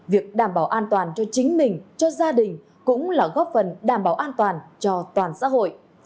việc đảm bảo an toàn cho chính mình cho gia đình cũng là góp phần đảm bảo an toàn cho toàn xã hội